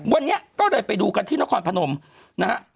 วันนี้ก็เลยไปดูกันที่นครพนมนะฮะ